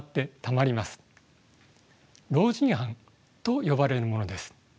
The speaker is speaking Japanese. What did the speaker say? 老人斑と呼ばれるものです。